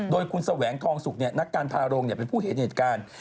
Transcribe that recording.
โดยคุณแสวงทองสุกนักการทารงเป็นผู้เห็นเหตุการณ์